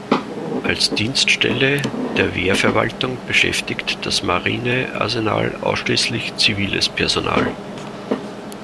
Als Dienststelle der Wehrverwaltung beschäftigt das Marinearsenal ausschließlich ziviles Personal.